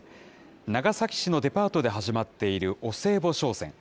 長崎市のデパートで始まっているお歳暮商戦。